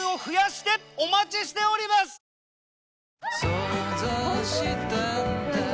想像したんだ